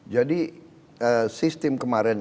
jadi sistem kemarin